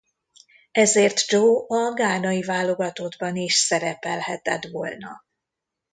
Ezért Joe a ghánai válogatottban is szerepelhetett volna.